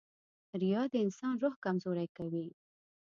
• ریا د انسان روح کمزوری کوي.